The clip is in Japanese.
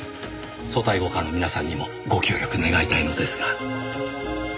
組対五課の皆さんにもご協力願いたいのですが。